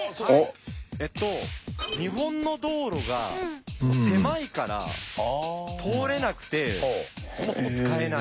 えっと日本の道路が狭いから通れなくてそもそも使えない。